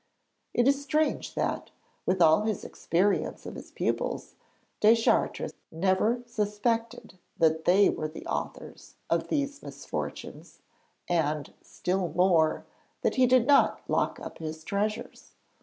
It is strange that, with all his experience of his pupils, Deschartres never suspected that they were the authors of these misfortunes, and, still more, that he did not lock up his treasures.